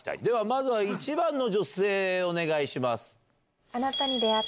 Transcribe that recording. まずは１番の女性お願いします。